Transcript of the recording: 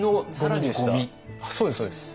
そうですそうです。